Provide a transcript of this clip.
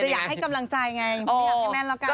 คืออยากให้กำลังใจไงไม่อยากให้แม่นแล้วกัน